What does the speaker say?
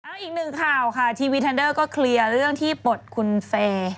เอาอีกหนึ่งข่าวค่ะทีวีทันเดอร์ก็เคลียร์เรื่องที่ปลดคุณเฟย์